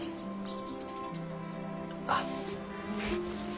あっ。